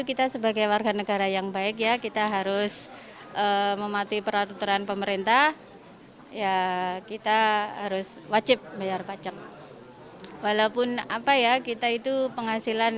kita bisa menghasilkan e filling